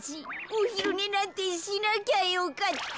おひるねなんてしなきゃよかった。